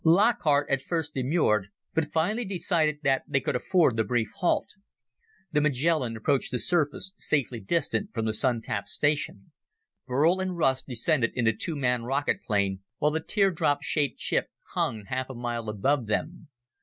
Lockhart at first demurred, but finally decided that they could afford the brief halt. The Magellan approached the surface, safely distant from the Sun tap station. Burl and Russ descended in the two man rocket plane, while the teardrop shaped ship hung half a mile above them.